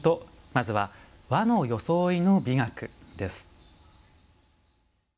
まずは「和の装いの美学」です。